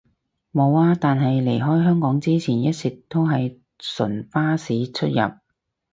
無呀，但係離開香港之前一直都係純巴士出入